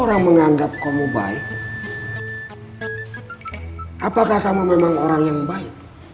apakah kamu memang orang yang baik